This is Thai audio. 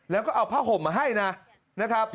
แล้วก็เอาผ้าห่มมาให้นะครับ